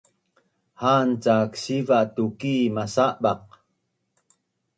Ha’an cak siva’ tuki masabaq